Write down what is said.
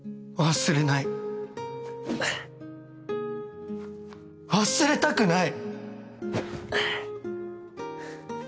忘れない忘れたくない！